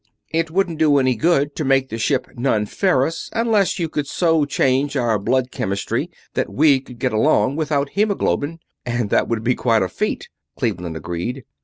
"It wouldn't do any good to make the ship non ferrous unless you could so change our blood chemistry that we could get along without hemoglobin, and that would be quite a feat," Cleveland agreed.